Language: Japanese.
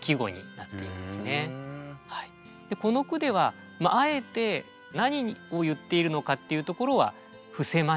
この句ではあえて何を言っているのかっていうところは伏せまして。